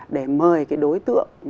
để mời cái đối tượng